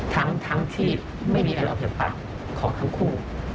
ทั้งทั้งที่ไม่มีอะไรเป็นปักของทั้งคู่